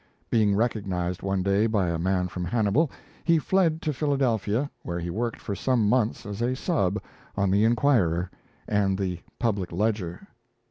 Being recognized one day by a man from Hannibal, he fled to Philadelphia where he worked for some months as a "sub" on the 'Inquirer' and the 'Public Ledger'.